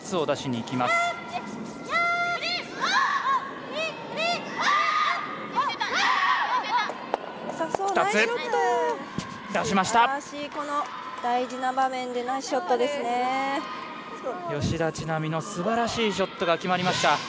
出しました！